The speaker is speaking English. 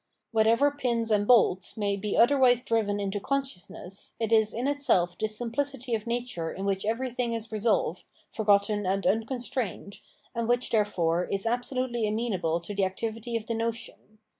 Whatever pins and bolts may be otherwise driven into consciousness, it is in itself this simplicity of nature in which everything is resolved, forgotten and unconstrained, and which, therefore, is absolutely amenable to the activity of the notion.